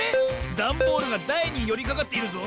ダンボールがだいによりかかっているぞ。